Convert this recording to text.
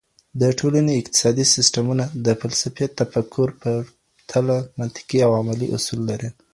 د ټولني اقتصادي سیسټمونه د فلسفي تفکر په پرتله منطقي او علمي اصول لري.